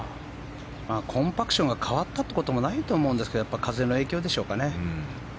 コンパクションが変わったってこともないと思うんですけど風の影響でしょうかね。